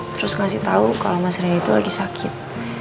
terus ngasih tau kalau mas reni lagi sakit